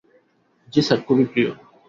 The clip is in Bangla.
জ্বি স্যার, খুবই প্রিয়।